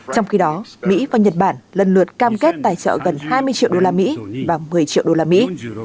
trong khi đó mỹ và nhật bản lần lượt cam kết tài trợ gần hai mươi triệu đô la mỹ và một mươi triệu đô la mỹ